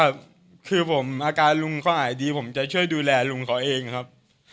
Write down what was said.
ก็คือผมอาการลุงเขาหายดีผมจะช่วยดูแลลุงเขาเองครับ